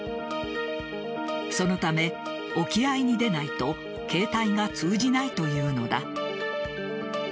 そのため、沖合に出ないと携帯が通じないというのだ。